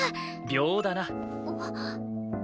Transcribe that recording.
秒だな。